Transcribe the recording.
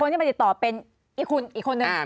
ที่มาติดต่อเป็นอีกคนนึง